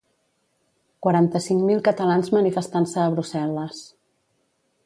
Quaranta-cinc mil catalans manifestant-se a Brussel·les.